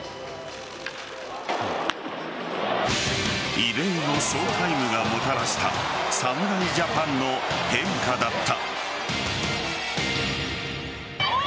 異例のショータイムがもたらした侍ジャパンの変化だった。